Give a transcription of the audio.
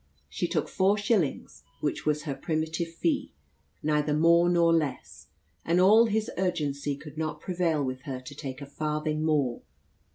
She took four shillings, which was her primitive fee, neither more nor less; and all his urgency could not prevail with her to take a farthing more.